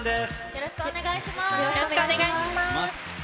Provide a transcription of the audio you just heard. よろしくお願いします。